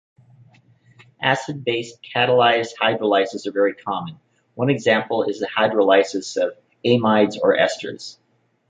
Acid-base-catalysed hydrolyses are very common; one example is the hydrolysis of amides or esters.